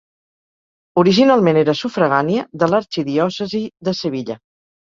Originalment era sufragània de l'arxidiòcesi de Sevilla.